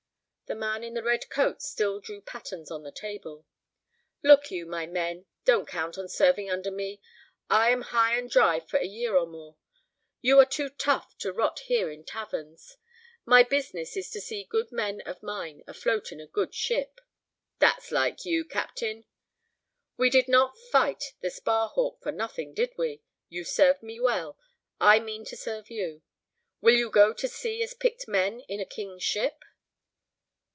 The man in the red coat still drew patterns on the table. "Look you, my men, don't count on serving under me; I am high and dry for a year or more. You are too tough to rot here in taverns. My business is to see good men of mine afloat in a good ship." "That's like you, captain." "We did not fight the Sparhawk for nothing, did we? You served me well; I mean to serve you. Will you go to sea as picked men in a King's ship?"